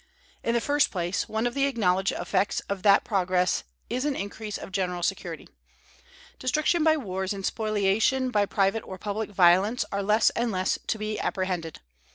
In the first place, one of the acknowledged effects of that progress is an increase of general security. Destruction by wars and spoliation by private or public violence are less and less to be apprehended.